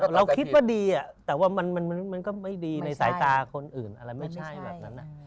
เราคิดว่าดีแต่ว่ามันก็ไม่ดีในสายตาคนอื่นอะไรไม่ใช่แบบนั้น